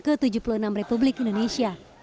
ke tujuh puluh enam republik indonesia